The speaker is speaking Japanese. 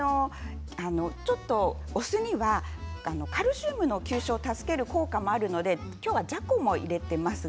お酢にはカルシウムの吸収を助ける効果もあるので、今日はじゃこも入れています。